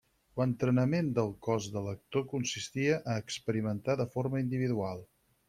L’entrenament del cos de l’actor consistia a experimentar de forma individual.